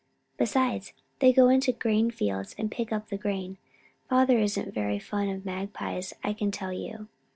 Besides, they go into the grain fields and pick the grain. Father isn't very fond of magpies, I can tell you.